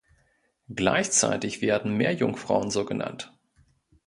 Gleichzeitig werden Meerjungfrauen so genannt.